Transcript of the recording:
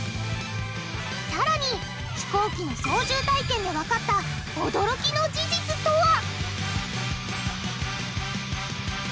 さらに飛行機の操縦体験でわかった驚きの事実とは？